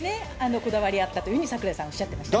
こだわりあったというふうに櫻井さん、おっしゃってましたね。